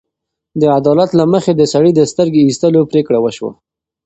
د عدالت له مخې د سړي د سترګې ایستلو پرېکړه وشوه.